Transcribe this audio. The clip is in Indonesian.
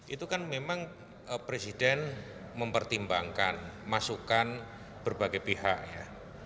itu kan memang presiden mempertimbangkan masukan berbagai pihak ya